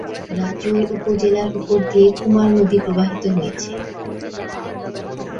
রাজৈর উপজেলার উপর দিয়ে কুমার নদী প্রবাহিত হয়েছে।